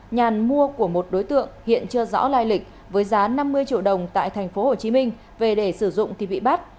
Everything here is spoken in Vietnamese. nhàn mua của một đối tượng hiện chưa rõ lai lịch với giá năm mươi triệu đồng tại tp hcm về để sử dụng thì bị bắt